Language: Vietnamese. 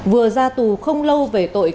vừa ra tù không lâu về tội